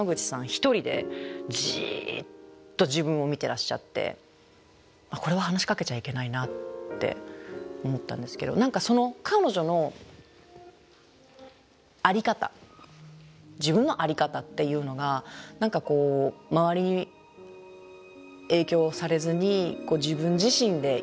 一人でじっと自分を見てらっしゃってこれは話しかけちゃいけないなって思ったんですけど何かその彼女の在り方自分の在り方っていうのが何かこう周りに影響されずに自分自身でいる。